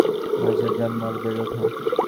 বায়উতেই জন্ম আর বেড়ে উঠা।